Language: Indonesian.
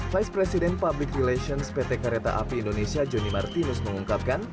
vice president public relations pt kereta api indonesia joni martinus mengungkapkan